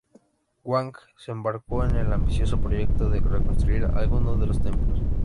Wang se embarcó en el ambicioso proyecto de reconstruir algunos de los templos.